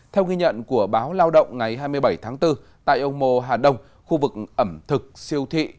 theo ghi nhận của báo lao động ngày hai mươi bảy tháng bốn tại ông mô hà đông khu vực ẩm thực siêu thị